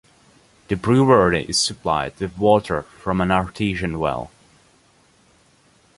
The brewery is supplied with water from an artesian well.